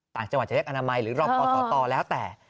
ต่างจังหวัดจะเรียกอนามัยหรือรอพอสตแล้วแต่